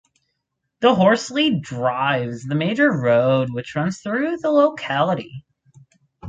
The Horsley Drive is the major road which runs through the locality.